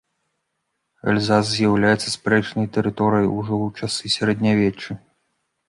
Эльзас з'яўляўся спрэчнай тэрыторыяй ужо ў часы сярэднявечча.